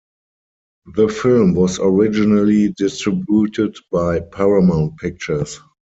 The film was originally distributed by Paramount Pictures.